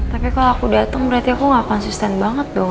tapi kalau aku datang berarti aku gak konsisten banget dong